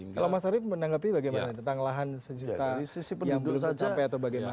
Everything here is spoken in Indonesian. kalau mas arief menanggapi bagaimana tentang lahan sejuta yang belum tercapai atau bagaimana